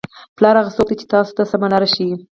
پلار هغه څوک دی چې تاسو ته سمه لاره ښایي.